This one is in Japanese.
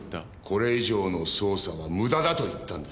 これ以上の捜査は無駄だと言ったんです。